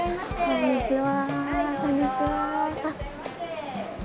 こんにちは。